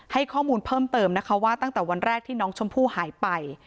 ให้ข้อมูลเพิ่มเติมนะคะว่าตั้งแต่วันแรกที่น้องชมพู่หายไป